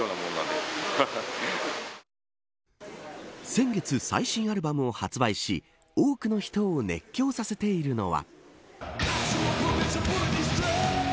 先月、最新アルバムを発売し多くの人を熱狂させているのは。